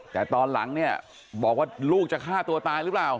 แต่ตอนหลังเนี่ยบอกว่าลูกจะฆ่าตัวตายหรือเปล่า